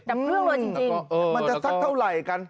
เครื่องเลยจริงมันจะสักเท่าไหร่กัน